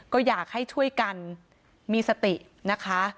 ก็อยากให้ช่วยกันมีสตินะคะ